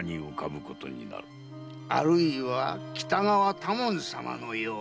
あるいは北川多門様のように。